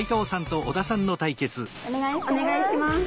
お願いします。